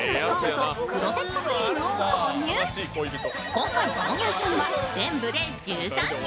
今回購入したのは全部で１３品。